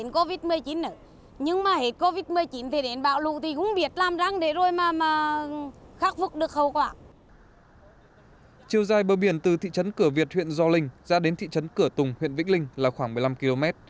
chiều dài bờ biển từ thị trấn cửa việt huyện gio linh ra đến thị trấn cửa tùng huyện vĩnh linh là khoảng một mươi năm km